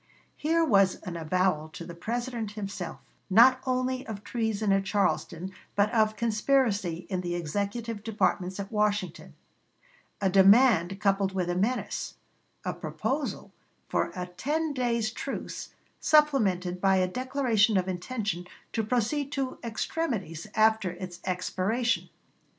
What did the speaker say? Here was an avowal to the President himself, not only of treason at Charleston, but of conspiracy in the Executive departments at Washington; a demand coupled with a menace; a proposal for a ten days' truce supplemented by a declaration of intention to proceed to extremities after its expiration.